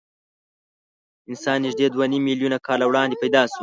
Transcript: انسان نږدې دوه نیم میلیونه کاله وړاندې پیدا شو.